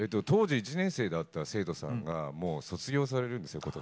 当時１年生だった生徒さんがもう卒業されるんですよ